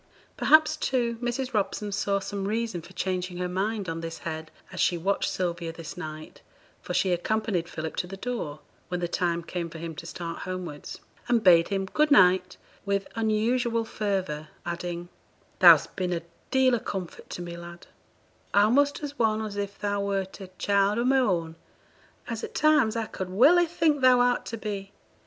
Perhaps, too, Mrs. Robson saw some reason for changing her mind on this head as she watched Sylvia this night, for she accompanied Philip to the door, when the time came for him to start homewards, and bade him 'good night' with unusual fervour, adding 'Thou'st been a deal o' comfort to me, lad a'most as one as if thou wert a child o' my own, as at times I could welly think thou art to be.